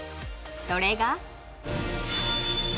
それが。